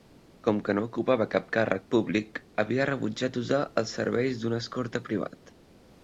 Com que no ocupava cap càrrec públic, havia rebutjat usar els serveis d'un escorta privat.